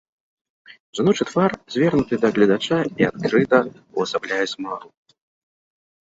Жаночы твар звернуты да гледача і адкрыта ўвасабляе смагу.